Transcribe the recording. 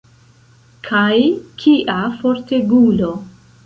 Kaj kia fortegulo!